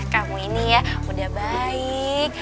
kamu ini ya udah baik